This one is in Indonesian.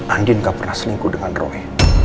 andin gak pernah selingkuh dengan roh